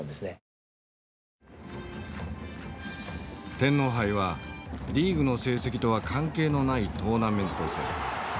天皇杯はリーグの成績とは関係のないトーナメント戦。